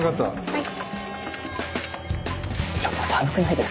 はい。